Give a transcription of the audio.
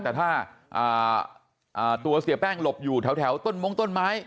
แต่ถ้าตัวเสียแป้งหลบอยู่แถวต้นมงต้นไม้